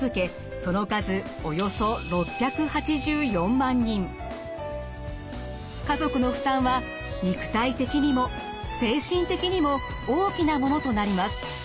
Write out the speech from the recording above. その数家族の負担は肉体的にも精神的にも大きなものとなります。